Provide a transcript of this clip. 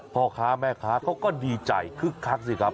พ่อค้าแม่ค้าเขาก็ดีใจคึกคักสิครับ